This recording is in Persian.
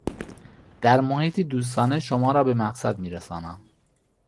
در محیطی دوستانه شما را به مقصد می رسانم.